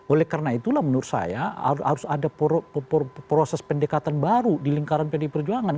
oleh karena itulah menurut saya harus ada proses pendekatan baru di lingkaran pdi perjuangan